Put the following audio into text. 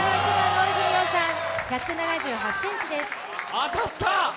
当たった。